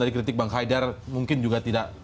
dari kritik bang haidar mungkin juga tidak